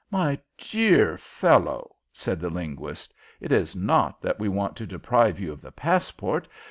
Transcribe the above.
"My dear fellow," said the linguist, "it is not that we want to deprive you of the passport.